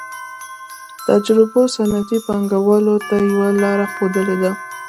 تجربو صنعتي پانګوالو ته یوه لار ښودلې ده